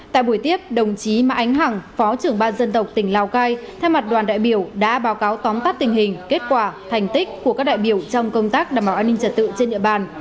tại buổi tiếp đồng chí mai ánh hẳng phó trưởng ban dân tộc tỉnh lào cai thay mặt đoàn đại biểu đã báo cáo tóm tắt tình hình kết quả thành tích của các đại biểu trong công tác đảm bảo an ninh trật tự trên địa bàn